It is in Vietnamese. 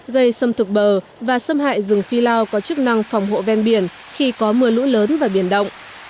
gây xâm thực bờ và xâm hại rừng phi lao có chức năng phòng hộ ven biển khi có mưa lũ lớn và biển động